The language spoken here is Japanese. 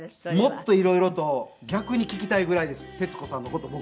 もっと色々と逆に聞きたいぐらいです徹子さんの事僕。